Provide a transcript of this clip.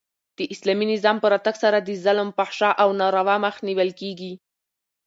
د اسلامي نظام په راتګ سره د ظلم، فحشا او ناروا مخ نیول کیږي.